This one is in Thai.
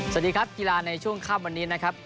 สวัสดีครับกีฬาในช่วงค่ำวันนี้นะครับ